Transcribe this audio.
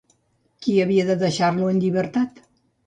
Qui havia de deixar Io en llibertat?